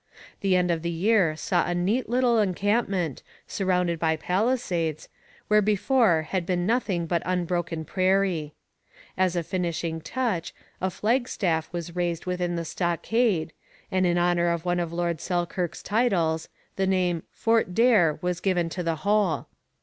The end of the year saw a neat little encampment, surrounded by palisades, where before had been nothing but unbroken prairie. As a finishing touch, a flagstaff was raised within the stockade, and in honour of one of Lord Selkirk's titles the name Fort Daer was given to the whole.